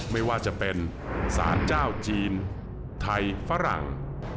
ไม่ว่าจะเป็นสารเจ้าจีนไทยฝรั่ง